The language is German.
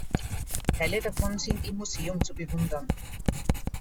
Teile davon sind im Museum zu bewundern.